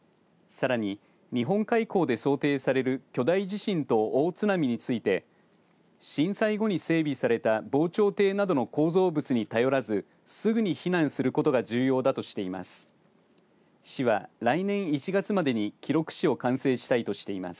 さらに、日本海溝で想定される巨大地震と大津波について震災後に整備された防潮堤などの構造物に頼らずすぐに避難することが重要だとしています。